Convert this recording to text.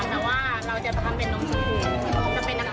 แต่ว่าเราจะทำเป็นนมสะพู